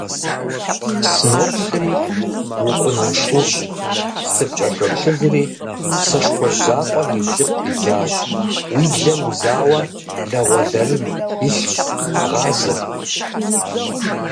Сыноплъыри укъунаншущ, сыпкӀэлъоплъыжри сэшхуэжь закъуэр уи блыпкъ идзащ, уи блэр узауэ лагъуэлэрыж илъщ, гъазэ.